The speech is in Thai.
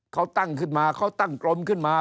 เขาตั้งขึ้นมาเขาตั้งกรมขึ้นมา